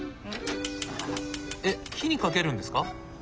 えっ火にかけるんですか？